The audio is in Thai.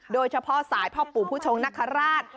โดยเฉพาะสายพ่อปู่ผู้ชงนคราช